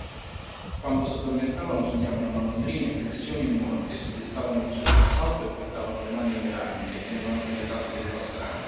Quando s’addormentavano sognavano malandrini, aggressioni e morti e si destavano di soprassalto e portavano le mani alle armi, che tenevano nelle tasche de’ pastrani.